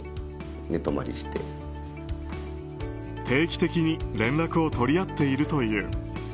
定期的に連絡を取り合っているという。